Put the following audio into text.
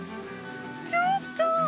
ちょっと。